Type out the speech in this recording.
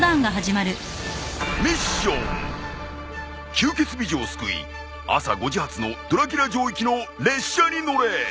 吸血美女を救い朝５時発のドラキュラ城行きの列車に乗れ！